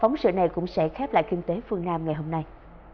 phóng sự này cũng sẽ khép lại kinh tế phương nam ngày hôm nay